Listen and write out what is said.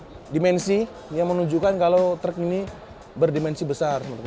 ini ada lampu dimensi yang menunjukkan kalau truck ini berdimensi besar